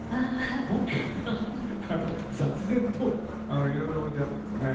もっと雑然といろいろ置いてあったんですよね。